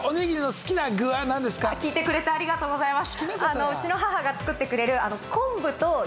聞いてくれてありがとうございます。